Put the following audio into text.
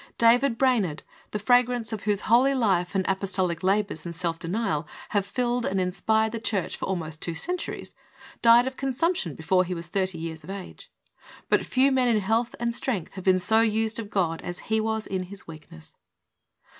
David Brainerd, the fragrance of whose holy life and apostolic labors and self denial have filled and inspired the church for almost two centuries, died of consump tion before he was thirty years of age. But few men in health and strength have been so used of God as he was in his weak ness.